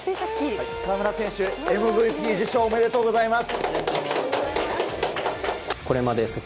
河村選手、ＭＶＰ受賞おめでとうございます。